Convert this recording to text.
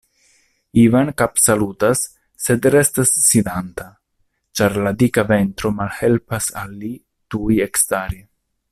Ivan kapsalutas, sed restas sidanta, ĉar la dika ventro malhelpas al li tuj ekstari.